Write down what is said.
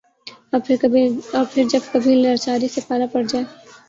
اور پھر جب کبھی لاچاری سے پالا پڑ جائے ۔